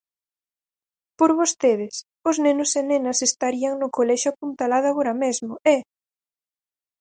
Por vostedes, os nenos e nenas estarían no colexio apuntalado agora mesmo, ¡eh!